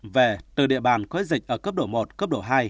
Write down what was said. về từ địa bàn có dịch ở cấp độ một cấp độ hai